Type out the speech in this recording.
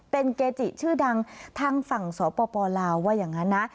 เป็นเกจิชื่อดังทางฝั่งสปลาวว่าอย่างนั้นนะ